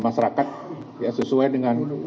masyarakat ya sesuai dengan